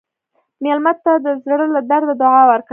مېلمه ته د زړه له درده دعا ورکړه.